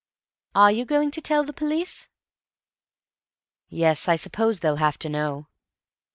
"Are you going to tell the police?" "Yes, I suppose they'll have to know.